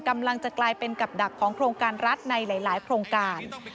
กำลังจะกลายเป็นกับดักของโครงการรัฐในหลายโครงการ